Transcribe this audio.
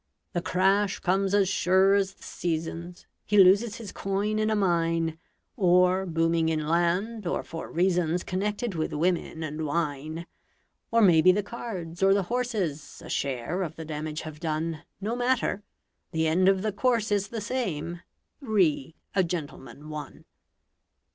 The crash comes as sure as the seasons; He loses his coin in a mine, Or booming in land, or for reasons Connected with women and wine. Or maybe the cards or the horses A share of the damage have done No matter; the end of the course is The same: "Re a Gentleman, One".